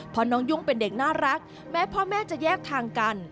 เพราะน้องยุ่งเป็นเด็กน่ารักแม้พ่อแม่จะแยกทางกัน